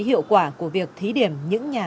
hiệu quả của việc thí điểm những nhà